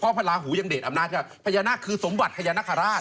พ่อพระลาหูยังเดทอำนาจใช่ป่ะพญานาคคือสมบัติพญานาคาราช